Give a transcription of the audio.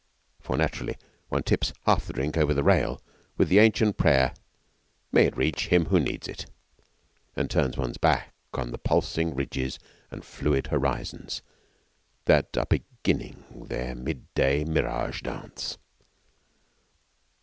For naturally one tips half the drink over the rail with the ancient prayer: 'May it reach him who needs it,' and turns one's back on the pulsing ridges and fluid horizons that are beginning their mid day mirage dance.